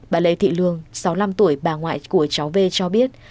bà lê thị lương sáu mươi năm tuổi bà ngoại của cháu v cho biết